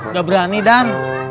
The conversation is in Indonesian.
gak berani dan